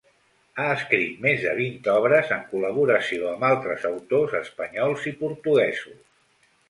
Ha escrit més de vint obres en col·laboració amb altres autors espanyols i portuguesos.